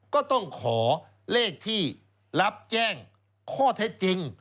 ก็ต้องขอเลขที่รับแจ้งข้อเท็จจริง